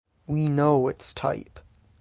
we know its type